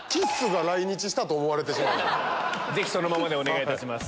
ぜひそのままでお願いいたします。